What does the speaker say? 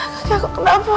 kakak aku kenapa